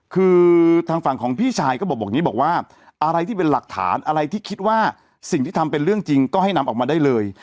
คือทางฝั่งของพี่ชายก็บอกอย่างนี้บอกว่าอะไรที่เป็นหลักฐานอะไรที่คิดว่าสิ่งที่ทำเป็นเรื่องจริงก็ให้นำออกมาได้เลย